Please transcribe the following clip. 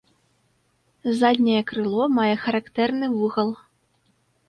Задняе крыло мае характэрны вугал.